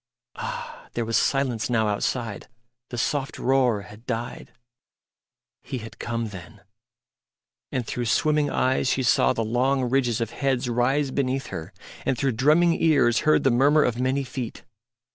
Ah! there was silence now outside; the soft roar had died. He had come then. And through swimming eyes she saw the long ridges of heads rise beneath her, and through drumming ears heard the murmur of many feet.